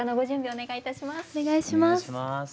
お願いします。